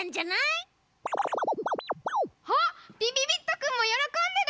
あっびびびっとくんもよろこんでる！